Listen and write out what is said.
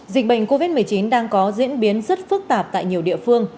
dịch bệnh covid một mươi chín đang có diễn biến rất phức tạp tại nhiều địa phương